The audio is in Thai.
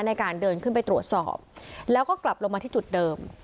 ในการเดินขึ้นไปตรวจสอบแล้วก็กลับลงมาที่จุดเดิม